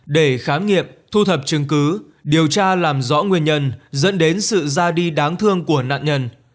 để khám nghiệm thu thập chứng cứ điều tra làm rõ nguyên nhân dẫn đến sự ra đi đáng thương của nạn nhân